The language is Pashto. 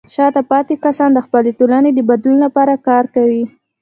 شاته پاتې کسان د خپلې ټولنې د بدلون لپاره کار کوي.